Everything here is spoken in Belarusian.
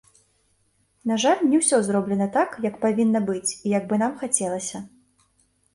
На жаль, не ўсё зроблена так, як павінна быць і як бы нам хацелася.